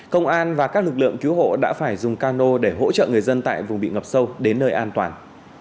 công an và các lực lượng cứu hộ đã phải dùng cano để hỗ trợ người dân tại vùng bị ngập sâu đến nơi an toàn